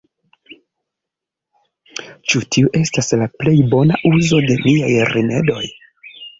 Ĉu tiu estas la plej bona uzo de niaj rimedoj?